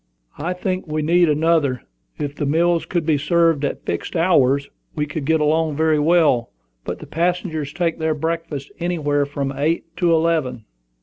"I think we need another. If the meals could be served at fixed hours, we could get along very well; but the passengers take their breakfast anywhere from eight to eleven."